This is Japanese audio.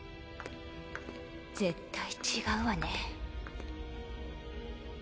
絶対違うわね。